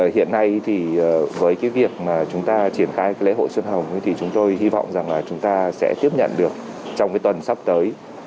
hiện nay thì với cái việc mà chúng ta triển khai lễ hội xuân hồng thì chúng tôi hy vọng rằng là chúng ta sẽ tiếp nhận được trong cái tuần sắp tới